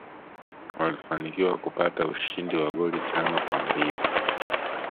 walfanikiwa kupata ushindi wa goli tano kwambili